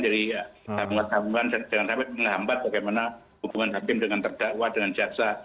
jadi gabungan gabungan jangan sampai menghambat bagaimana hubungan hakim dengan terdakwa dengan jaksa